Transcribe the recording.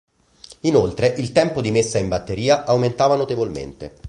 Inoltre il tempo di messa in batteria aumentava notevolmente.